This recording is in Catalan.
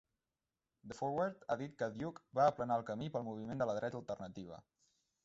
"The Forward" ha dit que Duke "va aplanar el camí" pel moviment de la dreta alternativa.